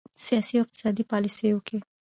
سیاسي او اقتصادي پالیسیو کې